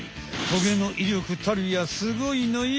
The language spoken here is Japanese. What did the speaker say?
トゲの威力たるやすごいのよ。